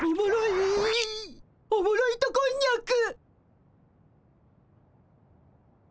おもろ糸こんにゃく。